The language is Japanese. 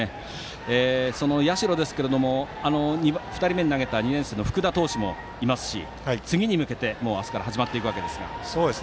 その社ですが２人目に投げた２年生の福田投手もいますし次に向けて明日から始まっていくわけですが。